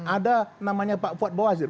ada namanya pak fuad bawazir